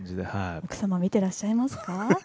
奥様見てらっしゃいますか？